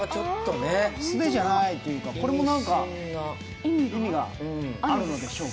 素手じゃないというか、これも何か意味があるのでしょうか？